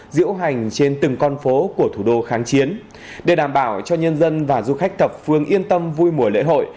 diễu hành trên từng con phố của thủ đô kháng chiến để đảm bảo cho nhân dân và du khách thập phương yên tâm vui mùa lễ hội